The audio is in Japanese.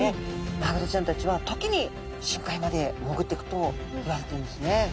マグロちゃんたちは時に深海まで潜っていくといわれてるんですね。